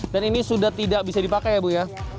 dan ini sudah tidak bisa dipakai ya bu ya